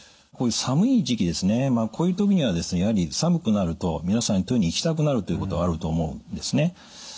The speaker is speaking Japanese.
こういう寒い時期ですねこういう時にはですねやはり寒くなると皆さんトイレに行きたくなるということがあると思うんですね。